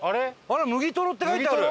「麦とろ」って書いてある！